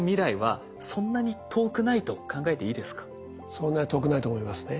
そんなに遠くないと思いますね。